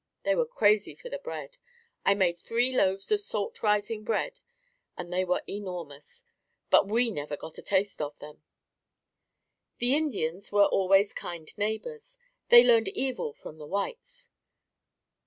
They were crazy for the bread. I made three loaves of salt rising bread and they were enormous, but we never got a taste of them. The Indians were always kind neighbors. They learned evil from the whites.